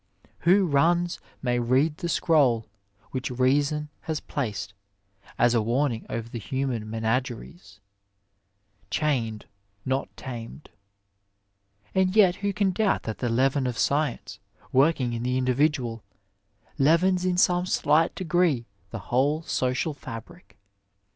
(Marion Crawford.) Who runs may read the scroll which reason has placed as a warning over the human menageries :" chained, not tamed." And yet who can doubt that the leaven of science, working in the individual, leavens in some slight degree the whole social fabric.